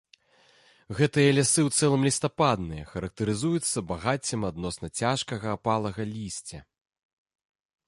Гэтыя лясы ў цэлым лістападныя, характарызуюцца багаццем адносна цяжкага апалага лісця.